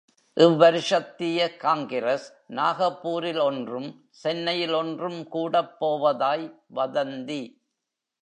இவ்வருஷத்திய காங்கிரஸ் நாகப்பூரில் ஒன்றும் சென்னையில் ஒன்றும் கூடப் போவதாய் வதந்தி.